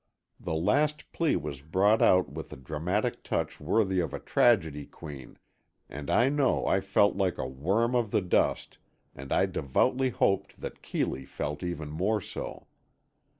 The last plea was brought out with a dramatic touch worthy of a tragedy queen, and I know I felt like a worm of the dust and I devoutly hoped that Keeley felt even more so.